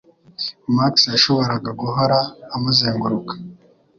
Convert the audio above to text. Max yashoboraga guhora amuzenguruka